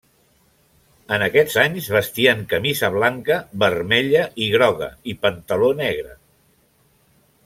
En aquests anys vestien camisa blanca, vermella i groga i pantaló negre.